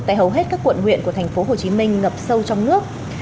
tại hầu hết các quận huyện của thành phố hồ chí minh ngập sâu trong nước